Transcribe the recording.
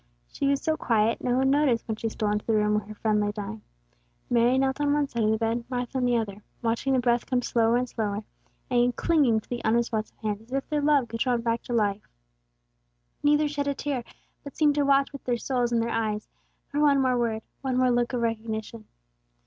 She was so quiet, no one noticed when she stole into the room where her friend lay dying. Mary knelt on one side of the bed, Martha on the other, watching the breath come slower and slower, and clinging to the unresponsive hands as if their love could draw him back to life. Neither shed a tear, but seemed to watch with their souls in their eyes, for one more word, one more look of recognition.